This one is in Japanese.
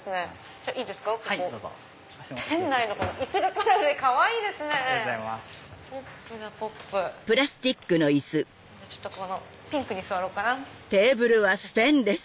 じゃあちょっとピンクに座ろうかな。